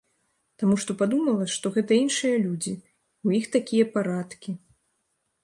Таму што падумала, што гэта іншыя людзі, у іх такія парадкі.